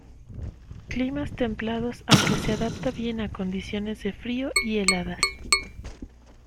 Climas templados aunque se adapta bien a condiciones de frío y heladas.